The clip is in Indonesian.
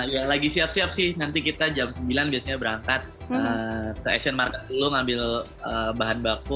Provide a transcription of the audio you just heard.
ya lagi siap siap sih nanti kita jam sembilan biasanya berangkat ke asian market dulu ngambil bahan baku